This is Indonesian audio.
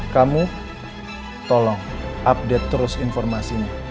kamu tolong update terus informasinya